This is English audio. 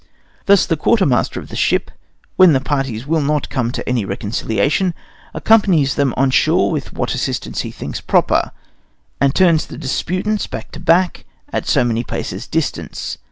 Thus the quartermaster of the ship, when the parties will not come to any reconciliation, accompanies them on shore with what assistance he thinks proper, and turns the disputants back to back at so many paces distance.